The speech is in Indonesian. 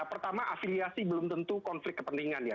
pertama afiliasi belum tentu konflik kepentingan ya